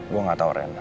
gue nggak tahu ren